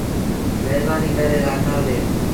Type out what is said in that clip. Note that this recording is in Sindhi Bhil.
مهربآنيٚٚ ڪري رآکآل ڏي۔